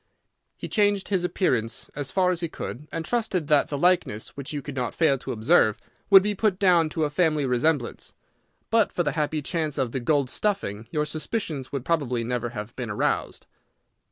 He changed his appearance as far as he could, and trusted that the likeness, which you could not fail to observe, would be put down to a family resemblance. But for the happy chance of the gold stuffing, your suspicions would probably never have been aroused."